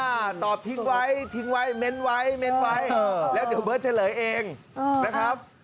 ตอบทิ้งไว้ทิ้งไว้เม้นไว้เม้นไว้เออแล้วเดี๋ยวเบิร์ตเฉลยเองนะครับ